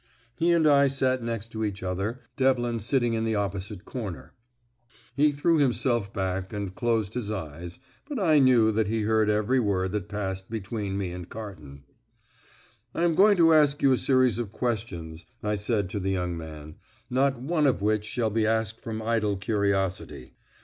He and I sat next to each other, Devlin sitting in the opposite corner. He threw himself back, and closed his eyes, but I knew that he heard every word that passed between me and Carton. "I am going to ask you a series of questions," I said to the young man, "not one of which shall be asked from idle curiosity.